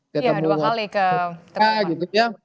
ketemu ya dua kali ke bumeka gitu ya